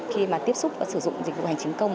khi mà tiếp xúc và sử dụng dịch vụ hành chính công